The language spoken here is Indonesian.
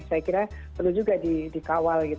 saya kira perlu juga dikawal